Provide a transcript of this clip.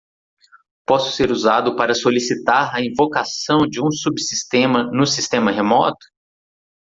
Posso ser usado para solicitar a invocação de um subsistema no sistema remoto?